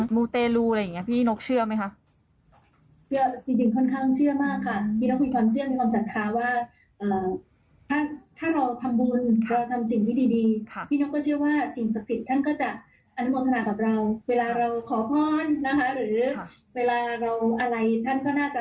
หลักก็คือขอเป็นพิเศษในเรื่องของเพลงใหม่ด้วยนะคะ